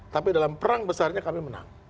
tapi dalam perang besarnya kami menang